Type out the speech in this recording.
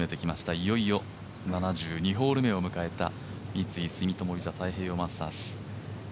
いよいよ７２ホール目を迎えた三井住友ＶＩＳＡ太平洋マスターズ。